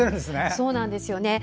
そうなんですよね。